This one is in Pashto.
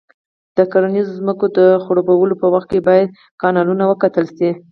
د کرنیزو ځمکو د خړوبولو په وخت کې باید کانالونه وکتل شي.